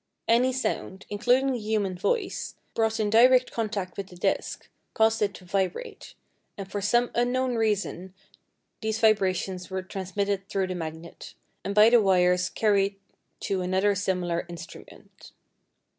Any sound, including the human voice, brought in direct contact with the disc, caused it to vibrate, and for some unknown reason these vibrations were transmitted through the magnet, and by the wires carried to another similar instrument.